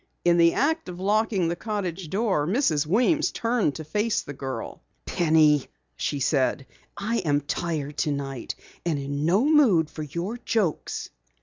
In the act of locking the cottage door, Mrs. Weems turned to face the girl. "Penny," she said, "I am tired tonight and in no mood for your jokes."